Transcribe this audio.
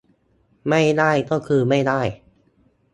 ไม่ได้ก็คือไม่ได้